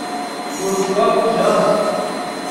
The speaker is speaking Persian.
فرودگاه کجا است؟